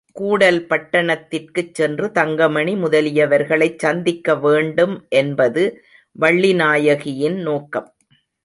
கூடல் பட்டணத்திற்குச் சென்று, தங்கமணி முதலியவர்களைச் சந்திக்க வேண்டும் என்பது வள்ளிநாயகியின் நோக்கம்.